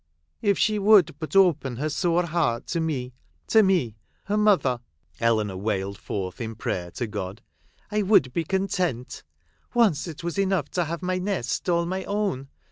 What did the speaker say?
If she would but open her sore heart to me — to me, her mother," Eleanor wailed forth in prayer to God, " I would be content. Once it was enough to have my Nest all my own.